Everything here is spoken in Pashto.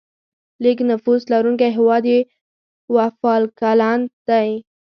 لیږ نفوس لرونکی هیواد یې وفالکلند دی.